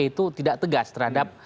itu tidak tegas terhadap